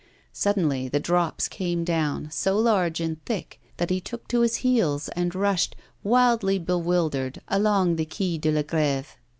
Suddenly the raindrops came down, so large and thick, that he took to his heels and rushed, wildly bewildered, along the Quai de la Grève.